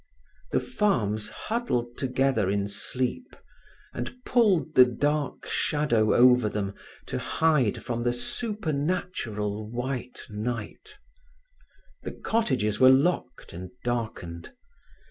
The farms huddled together in sleep, and pulled the dark shadow over them to hide from the supernatural white night; the cottages were locked and darkened.